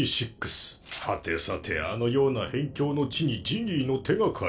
はてさてあのような辺境の地にジギーの手掛かりが。